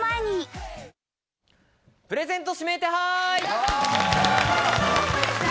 プレゼント指名手配。